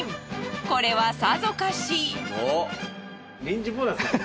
これはさぞかし。